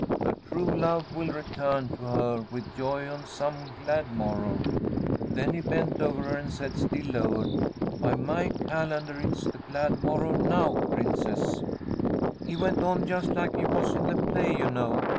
Her true love will return to her With joy on some glad morrow.' "Then he bent over her and said still lower, 'By my calendar it's the glad morrow now, Princess.' "He went on just like he was in the play, you know.